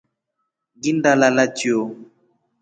Nginda lala chio.